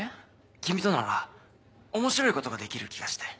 君となら面白いことができる気がして。